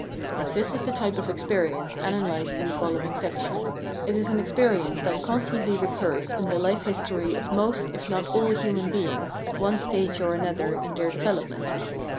This is the type of experience analysed in the following section. It is an experience that constantly recurs in the life history of most if not all human beings at one stage or another in their development.